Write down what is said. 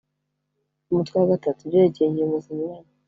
umutwe iii ibyerekeye ingingo zinyuranye